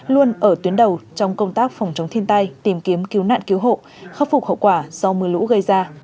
luôn ở tuyến đầu trong công tác phòng chống thiên tai tìm kiếm cứu nạn cứu hộ khắc phục hậu quả do mưa lũ gây ra